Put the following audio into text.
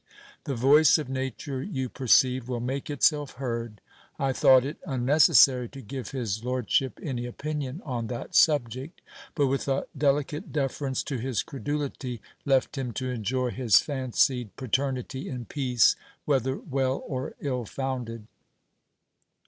The voice of nature, you perceive, will make itself heard. I thought it unnecessary to give his lordship any opinion on that subject ; but with a deli cate deference to his credulity, left him to enjoy his fancied paternity in peace, whether well or ill founded.